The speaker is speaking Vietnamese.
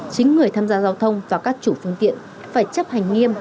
chính người tham gia giao thông và các chủ phương tiện phải chấp hành nghiêm